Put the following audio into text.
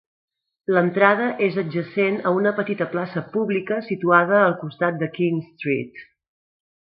L'entrada és adjacent a una petita plaça pública situada al costat de King Street.